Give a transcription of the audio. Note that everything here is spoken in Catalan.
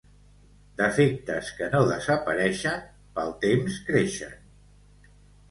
Defectes que no desapareixen, pel temps creixen.